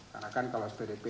karena kan kalau pdp